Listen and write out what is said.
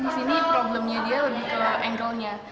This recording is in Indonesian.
di sini problemnya dia lebih ke angle nya